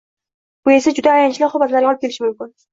Bu esa juda ayanchli oqibatlarga olib kelishi mumkin.